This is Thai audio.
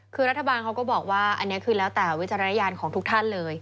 คือรัฐบาลเขาก็บอกว่าอันนี้คือแล้วแต่วิจารณญาณของทุกท่านเลย